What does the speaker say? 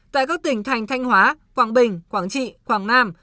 tại các tỉnh thành thanh hóa quảng bình quảng trị quảng nam